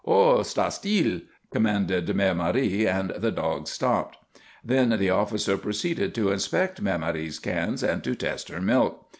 "Ho! Sta stil!" commanded Mère Marie, and the dogs stopped. Then the officer proceeded to inspect Mère Marie's cans and to test her milk.